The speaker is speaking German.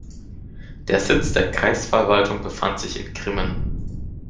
Der Sitz der Kreisverwaltung befand sich in Grimmen.